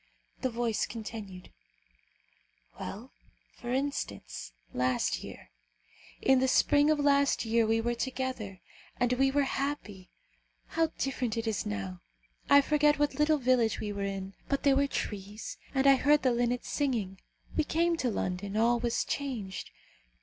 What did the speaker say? The voice continued, "Well, for instance; last year. In the spring of last year we were together, and we were happy. How different it is now! I forget what little village we were in, but there were trees, and I heard the linnets singing. We came to London; all was changed.